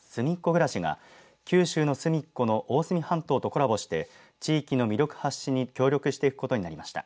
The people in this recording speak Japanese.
ぐらしが九州のすみっこの大隅半島とコラボして地域の魅力発信に協力していくことになりました。